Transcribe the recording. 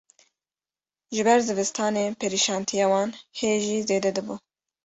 Ji ber zivistanê perîşantiya wan hê jî zêde dibû